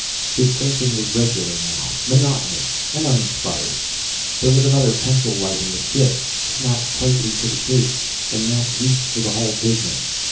His cursing was regular, now, monotonous and uninspired. There was another pencil light in the kit, snapped tightly to the case, and Mac reached for the whole business.